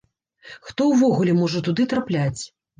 Хто ўвогуле можа туды трапляць?